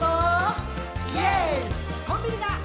「コンビニだ！